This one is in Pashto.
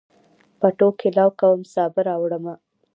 پټوکي لو کوم، سابه راوړمه